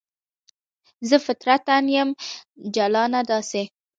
زه فطرتاً یم جلانه داسې